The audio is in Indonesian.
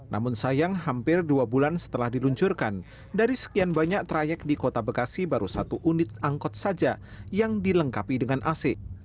namun sayang hampir dua bulan setelah diluncurkan dari sekian banyak trayek di kota bekasi baru satu unit angkot saja yang dilengkapi dengan ac